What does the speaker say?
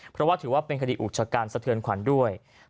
เพราะว่าถือว่าเป็นคดีอุกชการสะเทือนขวัญด้วย